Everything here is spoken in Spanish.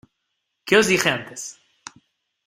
¿ Qué os dije antes?